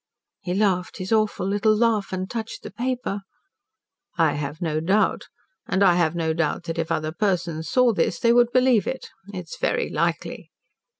"He laughed, his awful little laugh, and touched the paper. "'I have no doubt. And I have no doubt that if other persons saw this, they would believe it. It is very likely.